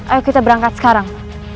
ayo kita berangkat sekarang